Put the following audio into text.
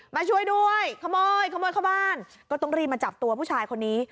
มาช่วยด้วยขโมยขโมยเข้าบ้านก็ต้องรีบมาจับตัวผู้ชายคนนี้